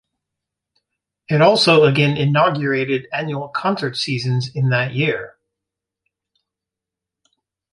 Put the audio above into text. It also again inaugurated annual concert seasons in that year.